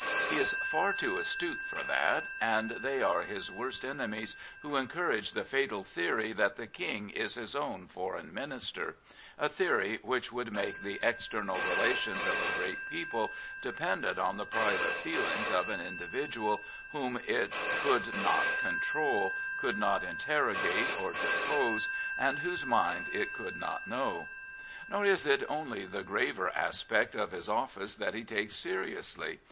He is far too astute for that, and they are his worst enemies who encourage the fatal theory that 14 King Edward VII the King is his own Foreign Minister — a theory which would make the external relations of a great people dependent on the private feelings of an individual whom it could not control, could not interrogate or depose, and whose mind it could not know. Nor is it only the graver aspects of his office that he takes seriously.